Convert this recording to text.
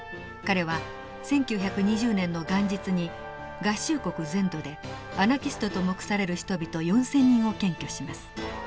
彼は１９２０年の元日に合衆国全土でアナキストと目される人々４，０００人を検挙します。